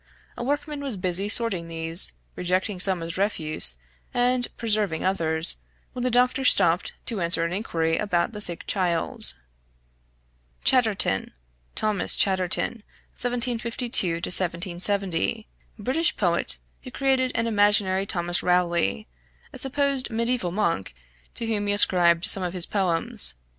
A workman was busy sorting these, rejecting some as refuse, and preserving others, when the doctor stopped to answer an inquiry about the sick child. {Chatterton = Thomas Chatterton (1752 1770), British poet, who created an imaginary Thomas Rowley, a supposed medieval monk, to whom he ascribed some of his poems.